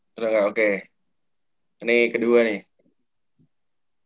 terus enggak oke ini kedua nih